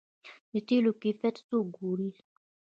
د تیلو کیفیت څوک ګوري؟